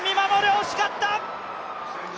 惜しかった！